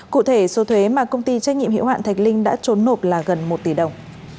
cụ thể số thuế mà công ty trách nhiệm hiệu hạn thạch linh đã trốn nộp là gần một tỷ đồng